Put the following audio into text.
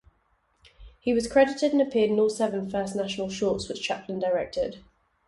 He was credited and appeared in all seven First National Shorts which Chaplin directed.